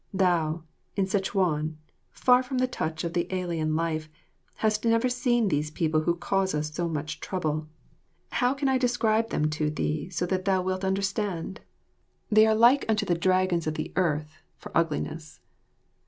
Thou, in Sezchuan, far from the touch of the alien life, hast never seen these people who cause us so much trouble. How can I describe them to thee so that thou wilt understand? They are like unto the dragons of the earth, for ugliness.